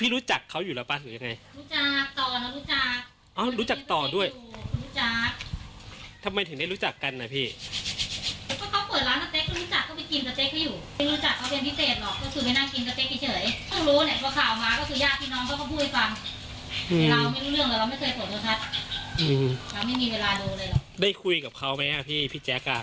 อ๋อรู้จักต่อด้วยทำไมถึงได้รู้จักกันนะพี่ได้คุยกับเขาไหมอ่ะพี่พี่แจ๊คกลับ